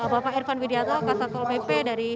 bapak irfan widyato kasat kol mp dari